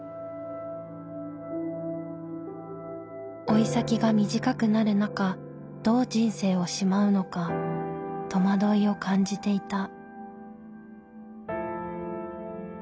老い先が短くなる中どう人生をしまうのか戸惑いを感じていた。